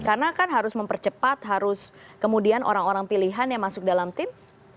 karena kan harus mempercepat harus kemudian orang orang pilihan yang masuk dalam tim